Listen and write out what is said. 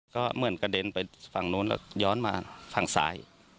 ก็เหมือนกระเด็นไปฝั่งนู้นแล้วย้อนมาฝั่งซ้าย